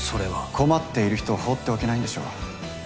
困っている人を放っておけないんでしょう。